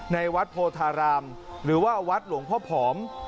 ในวัดโพธารามหรือว่าวัดหลวงพ่อผอม